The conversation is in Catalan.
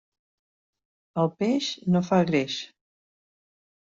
El peix no fa greix.